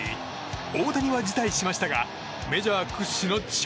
大谷は辞退しましたがメジャー屈指の力